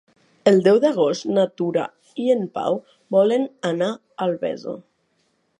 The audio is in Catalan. El deu d'agost na Tura i en Pau volen anar a Albesa.